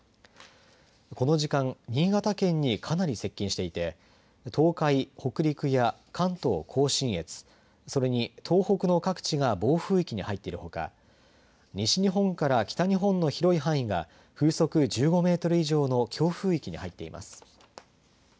この時間新潟県にかなり接近していて東海、北陸や関東甲信越それに東北の各地が暴風域に入っているほか西日本から北日本の広い範囲が風速１５メートル以上の強風域に入っています。